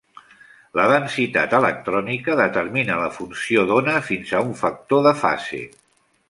La densitat electrònica determina la funció d'ona fins a un factor de fase.